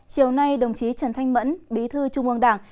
chiều nay đồng chí trần thanh mẫn bí thư trung ương đảng